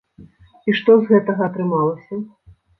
А што з гэтага атрымалася?